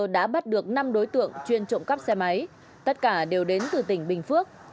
đã bắt được năm đối tượng chuyên trộm cắp xe máy tất cả đều đến từ tỉnh bình phước